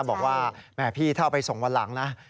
บอกว่าแหมพี่ถ้าเอาไปส่งวันหลังนะ